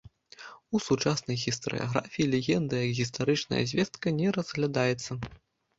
У сучаснай гістарыяграфіі легенда як гістарычная звестка не разглядаецца.